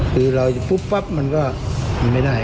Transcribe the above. คือเราปุ๊บมันก็ไม่ได้